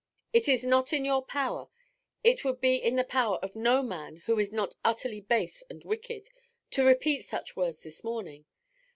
It is not in your power it would be in the power of no man who is not utterly base and wicked to repeat such words this morning.